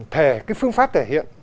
thề cái phương pháp thể hiện